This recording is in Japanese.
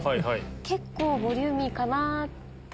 結構ボリューミーかなとは。